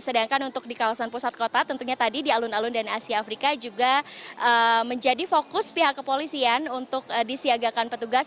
sedangkan untuk di kawasan pusat kota tentunya tadi di alun alun dan asia afrika juga menjadi fokus pihak kepolisian untuk disiagakan petugas